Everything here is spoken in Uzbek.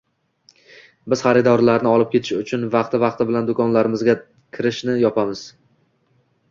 Biz xaridorlarni olib kelish uchun vaqti-vaqti bilan do'konlarimizga kirishni yopamiz